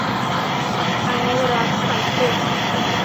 อะนุรักขันตุ